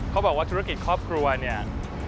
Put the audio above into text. เขาบอกว่าธุรกิจครอบครัวเนี่ย